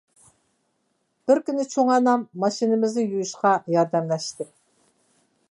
بىر كۈنى چوڭ ئانام ماشىنىمىزنى يۇيۇشقا ياردەملەشتى.